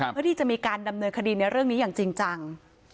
เพื่อที่จะมีการดำเนินคดีในเรื่องนี้อย่างจริงจัง